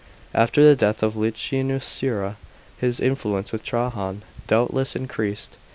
After the death of Licinius Sura, his influence with Trajan doubtless increased.